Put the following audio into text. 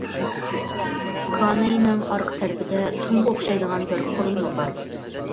كاناينىڭ ئارقا تەرىپىدە تۇڭغا ئوخشايدىغان بىر قۇرۇلما بار.